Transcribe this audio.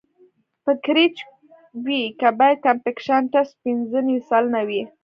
په کیریج وې کې باید کمپکشن ټسټ پینځه نوي سلنه وي